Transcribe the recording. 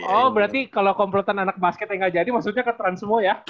oh berarti kalau komplotan anak basket yang gak jadi maksudnya keteran semua ya